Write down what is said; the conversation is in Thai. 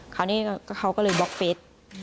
คราวนี้เขาก็เลยบล็อกเฟส